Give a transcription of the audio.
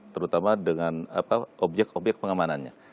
terutama dengan objek obyek pengamanannya